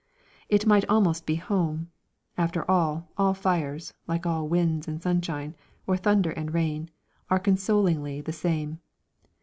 It might almost be home (after all, all fires, like all winds and sunshine, or thunder and rain, are consolingly the same!)